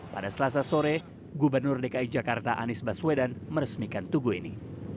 pada selasa sore gubernur dki jakarta anies baswedan meresmikan tugu ini